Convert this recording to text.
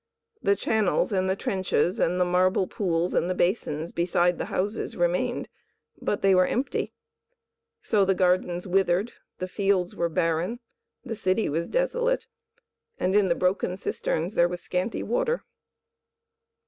The channels and the trenches and the marble pools and the basins beside the houses remained, but they were empty. So the gardens withered; the fields were barren; the city was desolate; and in the broken cisterns there was scanty water.